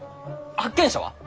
発見者は？